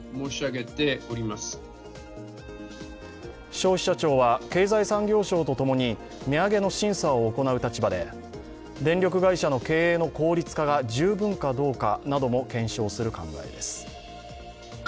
消費者庁は経済産業省とともに値上げの審査を行う立場で電力会社の経営の効率化が十分かどうかなども検証する考えです。